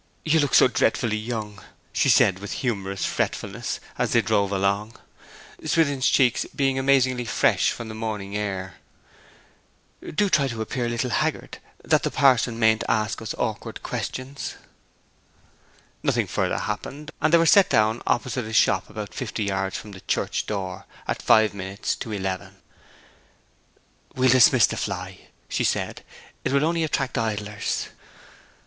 'You look so dreadfully young!' she said with humorous fretfulness, as they drove along (Swithin's cheeks being amazingly fresh from the morning air). 'Do try to appear a little haggard, that the parson mayn't ask us awkward questions!' Nothing further happened, and they were set down opposite a shop about fifty yards from the church door, at five minutes to eleven. 'We will dismiss the fly,' she said. 'It will only attract idlers.'